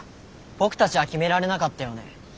僕たちは決められなかったよね。